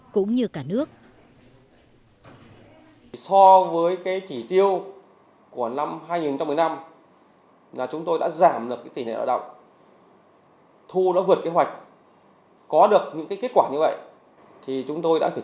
cũng như cả nhà